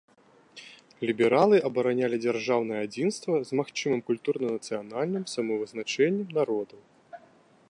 Лібералы абаранялі дзяржаўнае адзінства з магчымым культурна-нацыянальным самавызначэннем народаў.